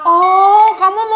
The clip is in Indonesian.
oh kamu mau ke kamar mandi mules